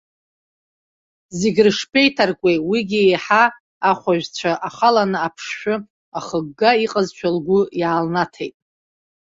Зегь рыҽшԥеиҭаркуеи, уигьы еиҳа ахәажәцәа ахаланы аԥшшәы ахыгга иҟазшәа лгәы иаалнаҭеит.